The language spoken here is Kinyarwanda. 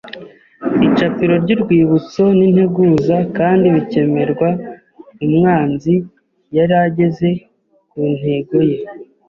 icapiro ry’Urwibutso n’Integuza kandi bikemerwa, umwanzi yari ageze ku ntego ye